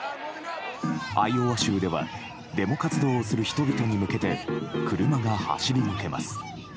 アイオワ州ではデモ活動をする人々に向けて車が走り抜けます。